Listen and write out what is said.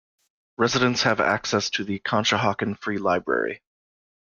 Residents have access to the Conshohocken Free Library.